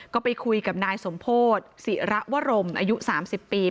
ก็ไปคุยกับนายสมโพธิศิระวรมอายุ๓๐ปี